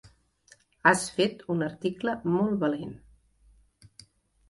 Has fet un article molt valent.